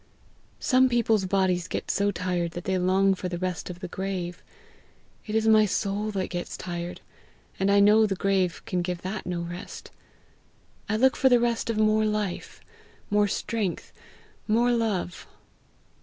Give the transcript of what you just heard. Some people's bodies get so tired that they long for the rest of the grave; it is my soul that gets tired, and I know the grave can give that no rest; I look for the rest of more life, more strength, more love.